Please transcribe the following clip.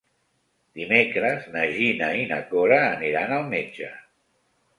Dimecres na Gina i na Cora aniran al metge.